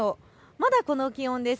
まだこの気温です。